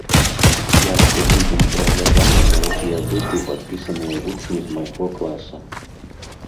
Я штотыдзень праглядаю, на якія групы падпісаныя вучні з майго класа.